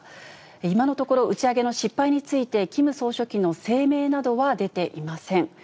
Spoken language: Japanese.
今のところ打ち上げの失敗について、キム総書記の声明などは出ていません。